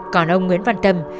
còn ông nguyễn văn tâm